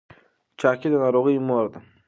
چاقي د ناروغیو مور ده.